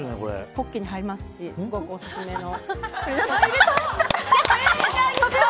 ポッケにも入りますしすごくオススメの。